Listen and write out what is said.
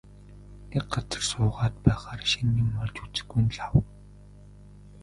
Нэг газар суугаад байхаар шинэ юм олж үзэхгүй нь лав.